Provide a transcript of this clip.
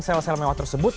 sel sel mewah tersebut